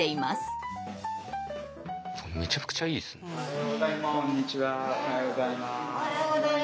おはようございます。